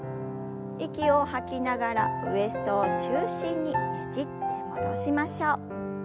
息を吐きながらウエストを中心にねじって戻しましょう。